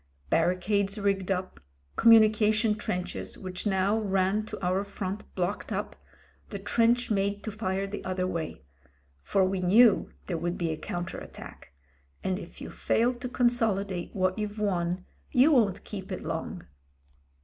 Barricades rigged . up, communication trenches which now ran to our Front blocked up, the trench made to fire the other way. For we knew there would be a counter attack, and if you fail to consolidate what you've won you won't keep it long.